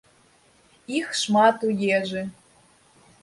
Іх шмат у ежы.